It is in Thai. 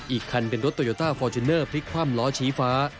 อีกคันเป็นรถโตโยต้าฟอร์จูเนอร์พลิกคว่ำล้อชี้ฟ้า